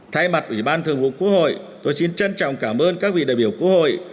thay mặt ủy ban thường vụ quốc hội tôi xin trân trọng cảm ơn các vị đại biểu quốc hội